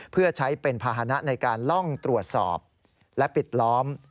เพื่อใช้เป็นภาษณะในการล่องตรวจสอบและปิดล้อม